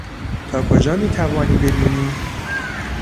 تا کجا میتوانی ببینی؟